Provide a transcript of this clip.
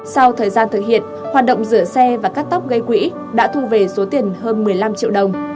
sau thời gian thực hiện hoạt động rửa xe và cắt tóc gây quỹ đã thu về số tiền hơn một mươi năm triệu đồng